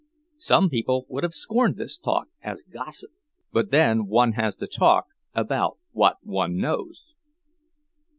Some people would have scorned this talk as gossip; but then one has to talk about what one knows.